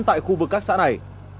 tại khu vực các xã này